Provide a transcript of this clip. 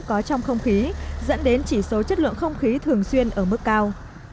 có trong không khí dẫn đến chỉ số chất lượng không khí thường xuyên ở mức cao